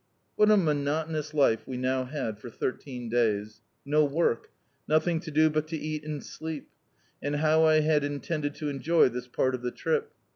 What a monotonous life we now had for thirteen days. No work; nothing to do but to eat and sleep. And how I had intended to enjoy this part of the trip!